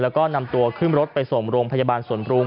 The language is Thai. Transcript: แล้วก็นำตัวขึ้นรถไปส่งโรงพยาบาลสวนปรุง